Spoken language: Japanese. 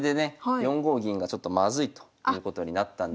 ４五銀がちょっとまずいということになったんで。